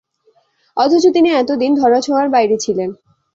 অথচ তিনি এত দিন ধরাছোঁয়ার বাইরে ছিলেন।